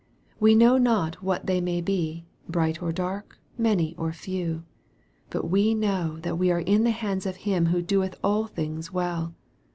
We know not what they may be, bright or dark, many or few. But we know that we are in the hands of Him who " doeth all things well."